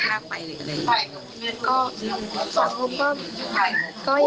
อยากให้สังคมรับรู้ด้วย